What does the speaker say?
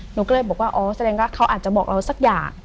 หนูก็เลยบอกว่าเขาอาจจะบอกเราสักอย่าง